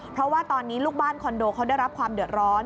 เพราะว่าตอนนี้ลูกบ้านคอนโดเขาได้รับความเดือดร้อน